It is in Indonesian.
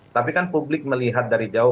tapi kan publik melihat dari jauh